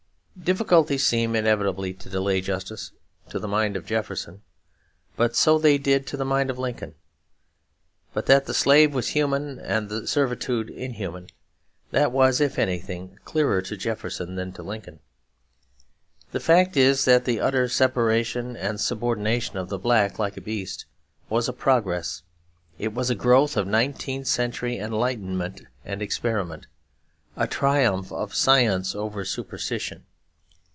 Difficulties seemed inevitably to delay justice, to the mind of Jefferson; but so they did to the mind of Lincoln. But that the slave was human and the servitude inhuman that was, if anything, clearer to Jefferson than to Lincoln. The fact is that the utter separation and subordination of the black like a beast was a progress; it was a growth of nineteenth century enlightenment and experiment; a triumph of science over superstition.